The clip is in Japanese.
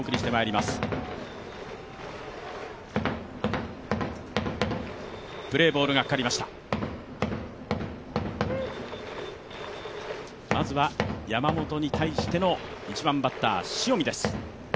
まずは山本に対しての１番バッター・塩見です。